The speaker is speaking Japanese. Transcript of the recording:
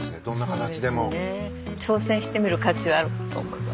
挑戦してみる価値はあると思います。